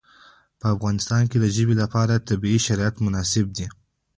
په افغانستان کې د ژبې لپاره طبیعي شرایط مناسب دي.